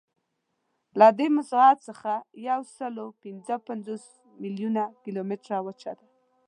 له دې مساحت څخه یوسلاوپینځهپنځوس میلیونه کیلومتره وچه ده.